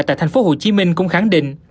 tại thành phố hồ chí minh cũng khẳng định